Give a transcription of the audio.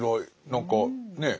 何かねえ